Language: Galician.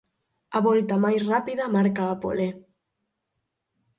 A volta máis rápida marca a pole.